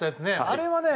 あれはね